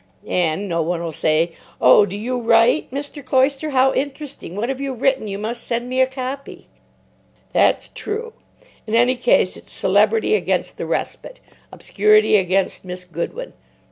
'" "And no one'll say, 'Oh, do you write, Mr. Cloyster? How interesting! What have you written? You must send me a copy.'" "That's true. In any case, it's celebrity against the respite, obscurity against Miss Goodwin.